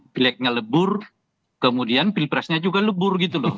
pileknya lebur kemudian pilpresnya juga lebur gitu loh